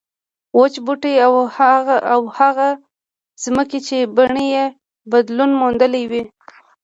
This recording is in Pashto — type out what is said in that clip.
وچ بوټي او هغه ځمکې چې بڼې یې بدلون موندلی وي.